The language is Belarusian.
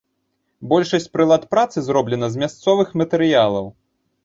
Большасць прылад працы зроблена з мясцовых матэрыялаў.